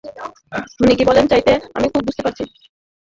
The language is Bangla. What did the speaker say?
উনি কি বলতে চাইছে আমি সব বুঝতে পারছি।